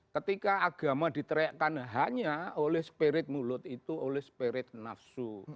ketika agama diteriakkan hanya oleh spirit mulut itu oleh spirit nafsu